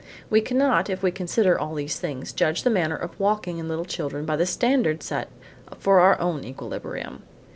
We cannot, if we consider all these things, judge the manner of walking in little children by the standard set for our own equilibrium.